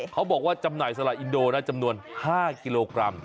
เขาบอกว่าจำหน่ายสละอินโดจำนวน๕กิโลกรัม